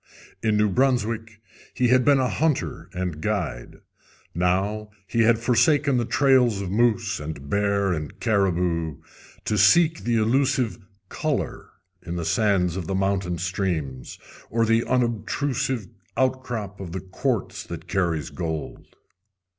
In New Brunswick he had been a hunter and guide. Now he had forsaken the trails of moose and bear and caribou to seek the elusive "color" in the sands of the mountain streams, or the unobtrusive outcrop of the quartz that carries gold.